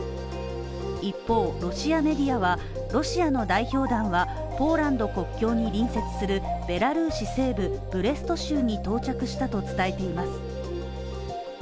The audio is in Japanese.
一方、ロシアメディアはロシアの代表団はポーランド国境に隣接するベラルーシ西部、ブレスト州に到着したと伝えています。